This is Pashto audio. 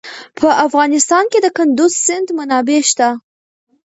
په افغانستان کې د کندز سیند منابع شته.